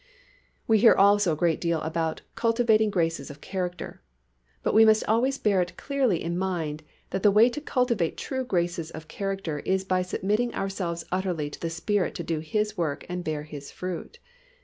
We hear also a great deal about "cultivating graces of character," but we must always bear it clearly in mind that the way to cultivate true graces of character is by submitting ourselves utterly to the Spirit to do His work and bear His fruit.